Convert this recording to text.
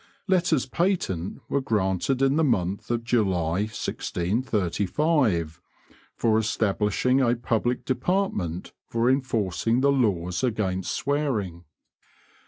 Letters patent were granted in the month of July 1635, for establishing a public department for enforcing the laws against swearing.